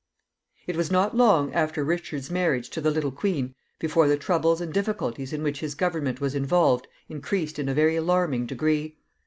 It was not long after Richard's marriage to the little queen before the troubles and difficulties in which his government was involved increased in a very alarming degree.